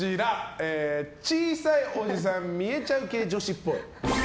小さいおじさん見えちゃう系女子っぽい。